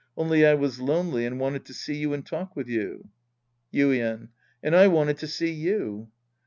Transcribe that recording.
Only I was lonely and wanted to see you and talk with you. Yuien. And I wanted to see you.